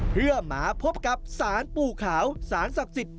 เพื่อมาพบกับสารปู่ขาวสารศักดิ์สิทธิ